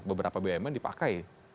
beberapa bmi dipakai